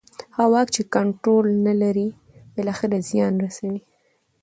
هغه واک چې کنټرول نه لري بالاخره زیان رسوي